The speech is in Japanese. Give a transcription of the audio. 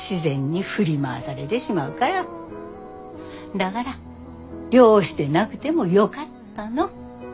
だがら漁師でなくてもよがったの。